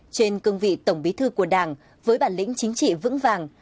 trên cương vị tổng bí thư của đảng với bản lĩnh chính trị vững vàng